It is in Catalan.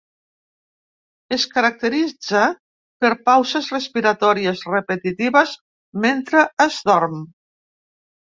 Es caracteritza per pauses respiratòries repetitives mentre es dorm.